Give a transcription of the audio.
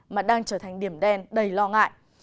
mà đang trở thành điểm đen đầy lo ngại